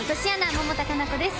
百田夏菜子です！